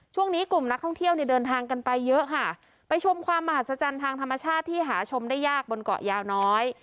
ช่วงนี้กลุ่มนักท่องเที่ยวเนี่ยเดินทางกันไปเยอะค่ะไปชมความมหัศจรรย์ทางธรรมชาติที่หาชมได้ยากบนเกาะยาวน้อย